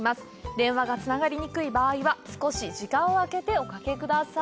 電話がつながりにくい場合は少し時間を空けておかけください。